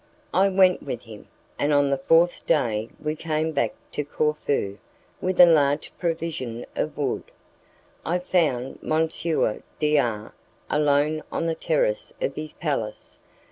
I went with him, and on the fourth day we came back to Corfu with a large provision of wood. I found M. D R alone on the terrace of his palace.